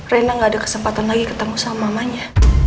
rena gak ada kesempatan lagi ketemu sama mamanya